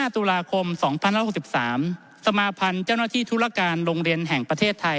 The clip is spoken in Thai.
ตุลาคม๒๐๖๓สมาพันธ์เจ้าหน้าที่ธุรการโรงเรียนแห่งประเทศไทย